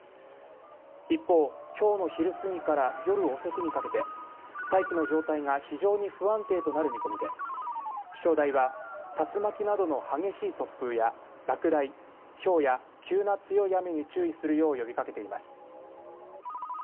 一方、きょうの昼過ぎから夜遅くにかけて大気の状態が非常に不安定となる見込みで気象台は竜巻などの激しい突風や落雷ひょうや急な強い雨に注意するよう呼びかけています。